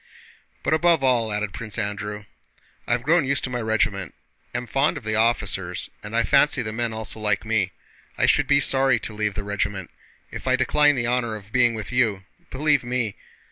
"But above all," added Prince Andrew, "I have grown used to my regiment, am fond of the officers, and I fancy the men also like me. I should be sorry to leave the regiment. If I decline the honor of being with you, believe me..."